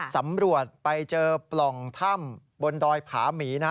สำรวจไปเจอปล่องถ้ำบนดอยผาหมีนะ